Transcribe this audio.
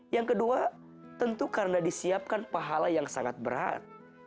yang kedua tentu karena disiapkan pahala yang sangat berat